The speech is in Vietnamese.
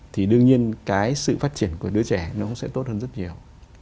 thì đương nhiên cái sự phát triển của đứa trẻ nó sẽ tốt hơn rất nhiều